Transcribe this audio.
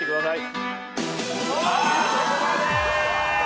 そこまで！